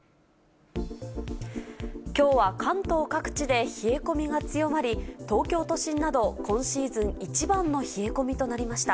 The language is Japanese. きょうは関東各地で冷え込みが強まり、東京都心など、今シーズン一番の冷え込みとなりました。